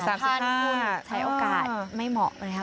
ใช้โอกาสไม่เหมาะเลยครับ